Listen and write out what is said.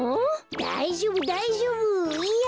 だいじょうぶだいじょうぶいや